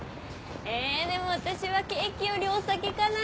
えでも私はケーキよりお酒かな。